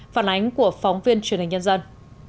phản ánh của phóng viên truyền hình nhân dân